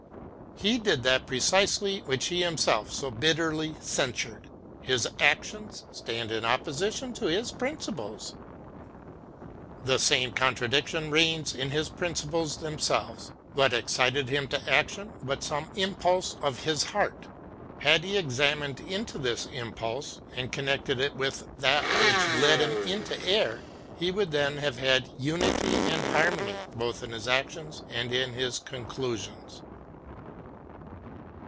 He did that precisely which he himself so bitterly censured; his actions stand in opposition to bin principles. The same contradiction reigns in his principles themselves. ited him to action but some impulse of his heart? EXAMINATION OF ROUSSBAu's THEORY. 63 Had he examined into this impulse, and connected it with that which led him into error, he would then have had unity and harmony both in his actions and in his conclusions.